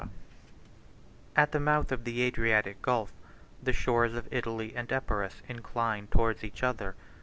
] At the mouth of the Adriatic Gulf, the shores of Italy and Epirus incline towards each other.